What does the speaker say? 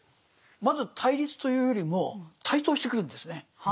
まず対立というよりも台頭してくるんですね。